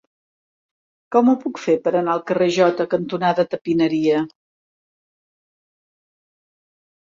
Com ho puc fer per anar al carrer Jota cantonada Tapineria?